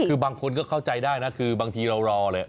คือบางคนก็เข้าใจได้นะคือบางทีเรารอเลย